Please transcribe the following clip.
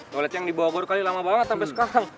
toiletnya yang dibawa gua dua kali lama banget sampe sekarang